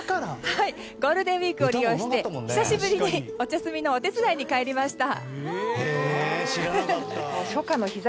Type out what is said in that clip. ゴールデンウィークを利用して久しぶりにお茶摘みのお手伝いに帰りました。